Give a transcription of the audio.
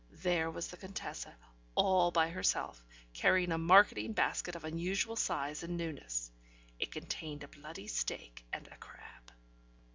There was the Contessa, all by herself, carrying a marketing basket of unusual size and newness. It contained a bloody steak and a crab.